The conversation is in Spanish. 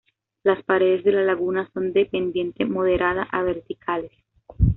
Las paredes de la laguna son de pendiente moderada a verticales.